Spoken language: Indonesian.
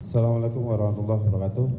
assalamu'alaikum warahmatullahi wabarakatuh